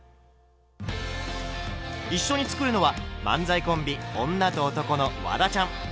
一緒に作るのは漫才コンビ「女と男」のワダちゃん。